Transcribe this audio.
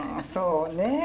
そうね。